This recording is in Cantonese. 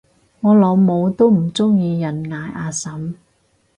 我老母都唔鍾意人嗌阿嬸